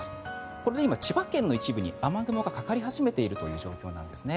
これが今千葉県の一部に雨雲がかかり始めている状況です。